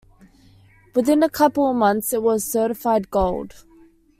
Within a couple of months it was certified Gold.